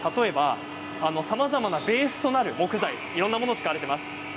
さまざまなベースとなる木材いろいろなものを使っています。